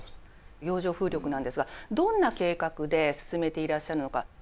洋上風力なんですがどんな計画で進めていらっしゃるのか。